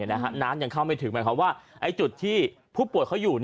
น้ำยังเข้าไม่ถึงหมายความว่าจุดที่ผู้ป่วยเขาอยู่